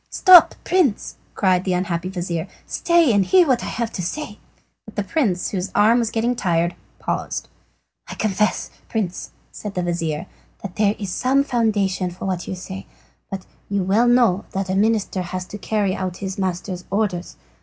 "Stop, Prince," cried the unhappy vizir, "stay and hear what I have to say." The prince, whose arm was getting tired, paused. "I confess, Prince," said the vizir, "that there is some foundation for what you say. But you know well that a minister has to carry out his master's orders.